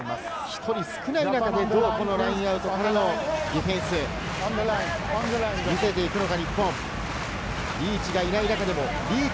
１人少ない中で、どうラインアウトからのディフェンスを見せていくのか？